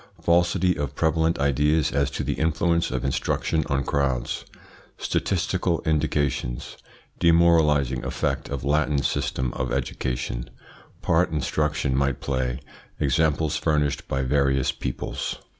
Falsity of prevalent ideas as to the influence of instruction on crowds Statistical indications Demoralising effect of Latin system of education Part instruction might play Examples furnished by various peoples.